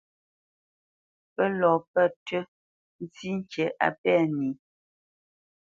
Pə́ lɔ pə̂ ntʉ́ ntsî ŋkǐ á pɛ̂ nǐ.